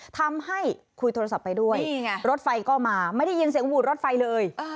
ทำให้คุยโทรศัพท์ไปด้วยรถไฟก็มาไม่ได้ยินเสียงหวูดรถไฟเลย